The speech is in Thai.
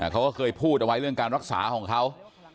เขาก็เคยพูดเอาไว้เรื่องการรักษาของเขา